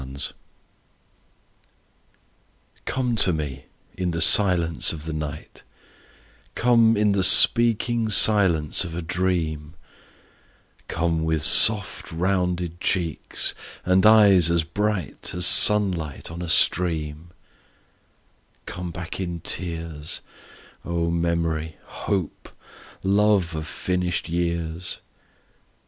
ECHO. Come to me in the silence of the night; Come in the speaking silence of a dream; Come with soft rounded cheeks and eyes as bright As sunlight on a stream; Come back in tears, O memory, hope, love of finished years.